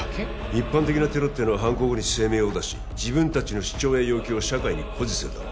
一般的なテロっていうのは犯行後に声明を出し自分たちの主張や要求を社会に誇示するだろ？